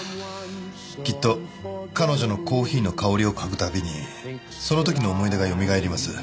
きっと彼女のコーヒーの香りを嗅ぐ度にその時の思い出がよみがえります。